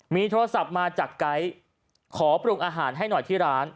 มีโทรศัพท์มาจากไกด์ขอปรุงอาหารให้หน่อยที่ร้าน